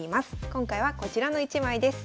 今回はこちらの１枚です。